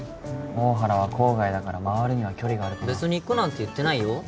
大原は郊外だから回るには距離があるかな別に行くなんて言ってないよ